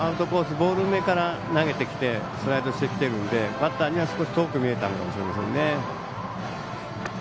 ボール目から投げてきてスライドしてきてるのでバッターからは少し遠く見えたのかもしれません。